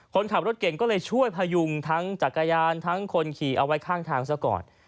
คนขับรถเก่งก็เลยช่วยพยุงทั้งจักรยานทั้งคนขี่เอาไว้ข้างทางซะก่อน